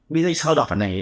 bí danh sao đỏ này